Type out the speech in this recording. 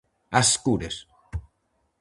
Ás escuras.